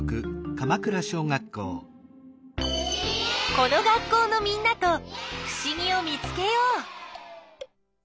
この学校のみんなとふしぎを見つけよう。